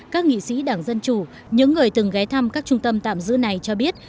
các nghị sĩ đảng dân chủ những người từng ghé thăm các trung tâm tạm giữ này cho biết